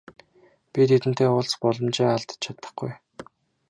Би тэдэнтэй уулзах боломжоо алдаж чадахгүй.